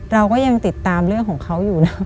เราก็ยังติดตามเรื่องของเขาอยู่นะ